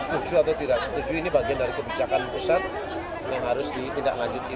setuju atau tidak setuju ini bagian dari kebijakan pusat yang harus ditindaklanjuti